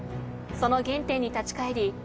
その原点に立ち返り